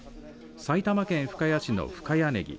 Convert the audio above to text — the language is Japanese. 埼玉県深谷市の深谷ねぎ